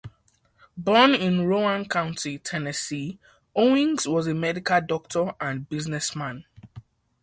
Born in Roane County, Tennessee, Owings was a medical doctor and businessman.